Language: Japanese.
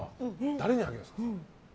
誰にあげるんですか？